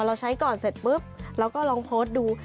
เราใช้ก่อนเสร็จปุ๊บเราก็ลองโพสต์ดู